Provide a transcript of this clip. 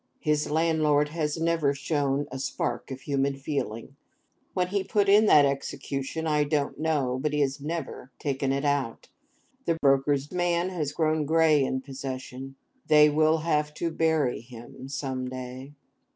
His landlord has never shown a spark of human feeling. When he put in that execution I don't know, but he has never taken it out. The broker's man has grown grey in possession. They will have to bury him some day.